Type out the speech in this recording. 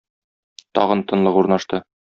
Тагын тынлык урнашты.